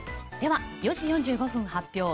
では、４時４５分発表